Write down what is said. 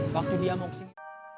waktu dia mau kesini